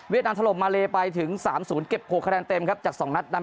เวียดนามถล่มมาเลไปถึงสามสูญเก็บโครคคะแทนเต็มครับจากสองรัชนั่น